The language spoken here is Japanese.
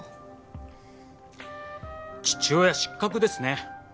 父親失格ですね。